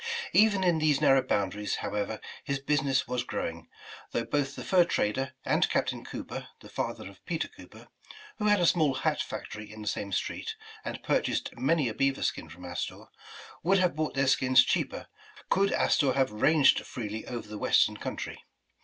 Even in these narrow boundaries, however, his busi ness was growing, though both the fur trader and Cap tain Cooper, the father of Peter Cooper, who had a small hat factory in the same street, and purchased many a beaver skin from Astor, would have bought their skins cheaper, could Astor have ranged freely over the western country.